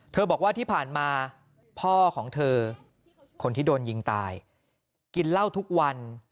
บอกว่าที่ผ่านมาพ่อของเธอคนที่โดนยิงตายกินเหล้าทุกวัน